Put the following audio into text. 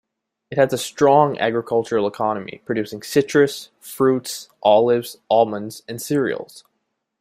It has a strong agricultural economy, producing citrus fruit, olives, almonds and cereals.